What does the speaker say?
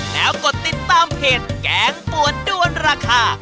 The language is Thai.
แล้วกดติดตามเพจแกงปวดด้วนราคา